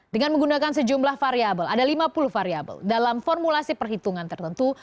dengan menggunakan sejumlah variable ada lima puluh variable dalam formulasi perhitungan tertentu